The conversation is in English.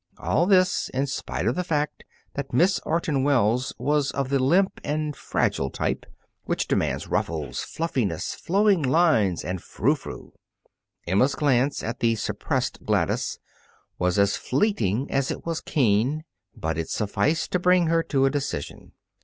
All this, in spite of the fact that Miss Orton Wells was of the limp and fragile type, which demands ruffles, fluffiness, flowing lines and frou frou. Emma's glance at the suppressed Gladys was as fleeting as it was keen, but it sufficed to bring her to a decision.